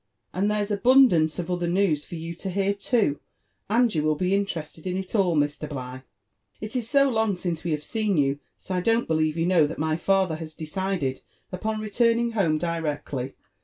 And there's abundance of other news for you to hear too, and you will be interested in it all, Mr. Bligh. It is so long since we have seen you, that I don't believe you know that my father has decided upon returning home directly.